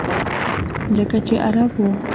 لکه چې عرب و.